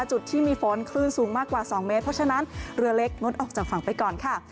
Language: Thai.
จุดที่มีฝนคลื่นสูงมากกว่า๒เมตรเพราะฉะนั้นเรือเล็กงดออกจากฝั่งไปก่อนค่ะ